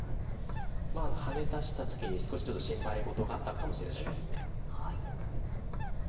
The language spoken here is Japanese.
ハネ出した時に少しちょっと心配事があったかもしれないです。